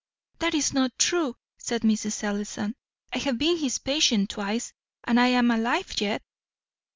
"That is not true," said Mrs. Ellison. "I have been his patient twice, and I am alive yet."